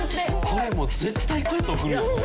これもう絶対こうやって送るんやろな